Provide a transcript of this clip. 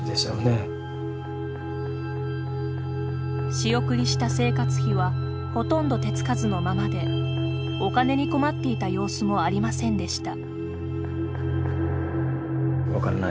仕送りした生活費はほとんど手つかずのままでお金に困っていた様子もありませんでした。